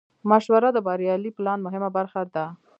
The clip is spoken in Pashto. مشوره د بریالي پلان مهمه برخه ده.